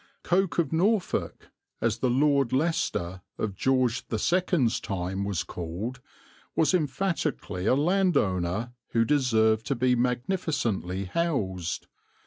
"Coke of Norfolk," as the Lord Leicester of George II's time was called, was emphatically a landowner who deserved to be magnificently housed.